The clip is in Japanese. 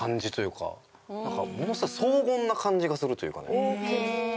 なんかものすごい荘厳な感じがするというか。